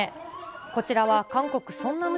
こちらは韓国・ソンナム